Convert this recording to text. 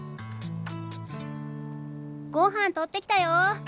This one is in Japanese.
ごはん取ってきたよ。